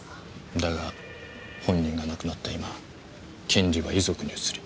だが本人が亡くなった今権利は遺族に移る。